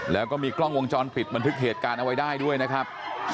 แล้วก็มีกล้องวงจรปิดบันทึกเหตุการณ์เอาไว้ได้ด้วยนะครับ